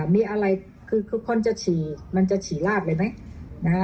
มีอะไรที่คุณจะฉี่มันจะฉี่ราบเลยไหม